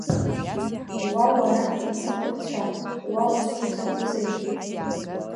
Уа, уара мцахәыцәа, уа узҿу закәызеи?